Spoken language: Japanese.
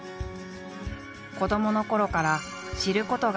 子どものころから知ることが大好き。